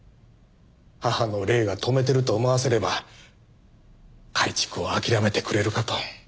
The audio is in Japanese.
母の霊が止めてると思わせれば改築を諦めてくれるかと。